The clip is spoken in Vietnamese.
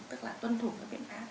tức là tuân thủ các biến ác